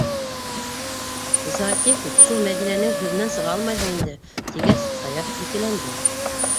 - Зоотехник шул Мәҙинәнең һүҙенән сыға алмайһың инде тигәс, Саяф икеләнде.